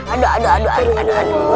aduh aduh aduh